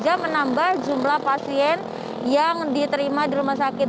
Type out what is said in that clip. dan hal ini tentu saja menambah jumlah pasien yang diterima di rumah sakit